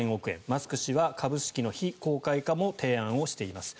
マスク氏は株式の非公開化も提案しています。